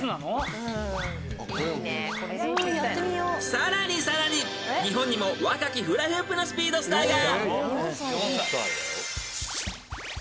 ［さらにさらに日本にも若きフラフープのスピードスターが］